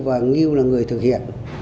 và ngưu là người thực hiện